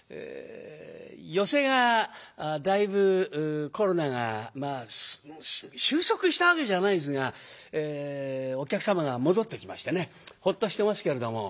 寄席がだいぶコロナがまあ終息したわけじゃないですがお客様が戻ってきましてねホッとしてますけれども。